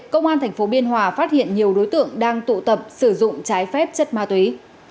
công an tp biên hòa phát hiện nhiều đối tượng đang tụ tập sử dụng trái phép chất ma túy